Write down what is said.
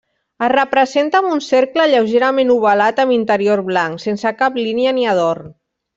Es representa amb un cercle lleugerament ovalat amb interior blanc, sense cap línia ni adorn.